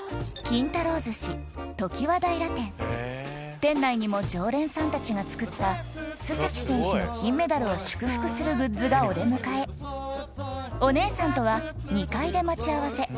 店内にも常連さんたちが作った須選手の金メダルを祝福するグッズがお出迎えお姉さんとは２階で待ち合わせ